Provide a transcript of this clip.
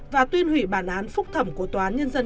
và tuyên hủy bản án phúc thẩm của toán nhân dân